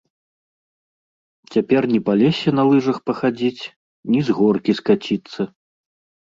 Цяпер ні па лесе на лыжах пахадзіць, ні з горкі скаціцца.